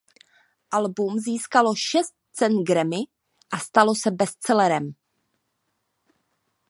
Album získalo šest cen Grammy a stalo se bestsellerem.